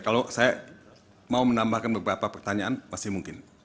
kalau saya mau menambahkan beberapa pertanyaan pasti mungkin